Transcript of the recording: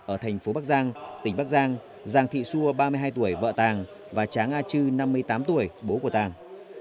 ở thành phố bắc giang tỉnh bắc giang giàng thị xua ba mươi hai tuổi vợ tàng và tráng a chư năm mươi tám tuổi bố của tàng